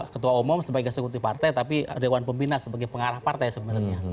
ketua umum sebagai eksekutif partai tapi dewan pembina sebagai pengarah partai sebenarnya